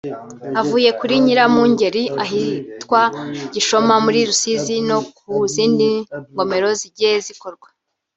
ayavuye kuri Nyiramugengeri ahitwa Gishoma muri Rusizi no ku zindi ngomero zagiye zikorwa